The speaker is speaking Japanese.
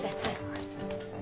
はい！